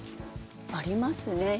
ありますね。